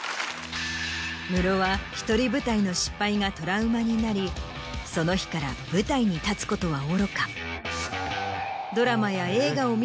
ムロは１人舞台の失敗がトラウマになりその日から舞台に立つことはおろか。